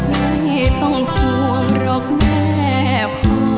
ไม่ต้องห่วงหรอกแม่พ่อ